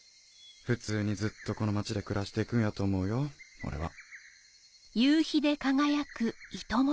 普通にずっとこの町で暮らして行くんやと思うよ俺は。